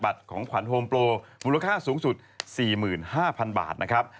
ของขวัญโฮมโปรมูลค่าสูงสุด๔๕๐๐๐บาทนะครับ